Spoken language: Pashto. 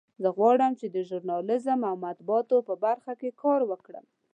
زه غواړم چې د ژورنالیزم او مطبوعاتو په برخه کې کار وکړم